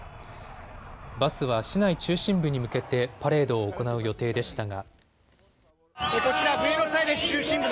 バスは市内中心部に向けてパレードを行う予定でしたが。